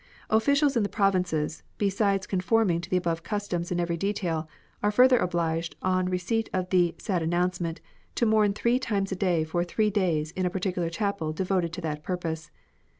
Officials in the provinces, besides coufonning to the above customs in every detail, are further obliged on receipt of the "sad announcement" to mourn three times a day for three days in a particular chapel de voted to that purpose.